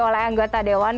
oleh anggota dewan